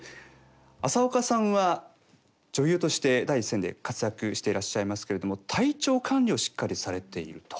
浅丘さんは女優として第一線で活躍していらっしゃいますけれども体調管理をしっかりされていると。